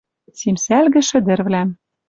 Симсӓлгӹ шӹдӹрвлӓм.